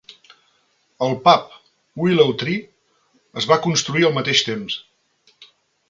El pub "Willow Tree" es va construir al mateix temps.